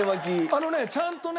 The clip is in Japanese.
あのねちゃんとね。